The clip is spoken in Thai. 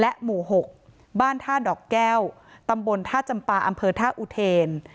หมู่๖บ้านท่าดอกแก้วตำบลท่าจำปาอำเภอท่าอุเทน